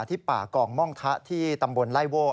ที่ปากองม้องทะที่ตำบลไลเวิร์ด